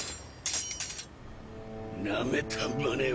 なめたまねを。